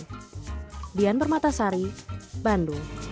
dian permatasari bandung